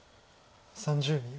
３０秒。